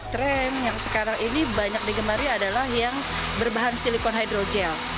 trend yang sekarang ini banyak digemari adalah yang berbahan silikon hidrogel